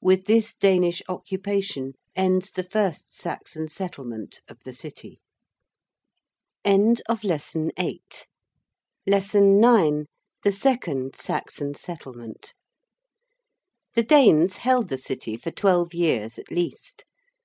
With this Danish occupation ends the first Saxon settlement of the City. 9. THE SECOND SAXON SETTLEMENT. The Danes held the City for twelve years at least.